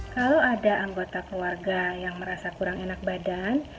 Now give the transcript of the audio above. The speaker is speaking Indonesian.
kalau ada anggota keluarga yang merasa kurang enak badan